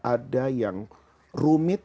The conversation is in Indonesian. ada yang rumit